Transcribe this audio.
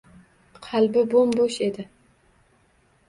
Qalbi bo`m-bo`sh edi